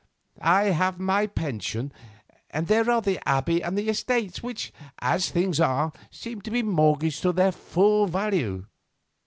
I have my pension, and there are the Abbey and estates, which, as things are, seem to be mortgaged to their full value.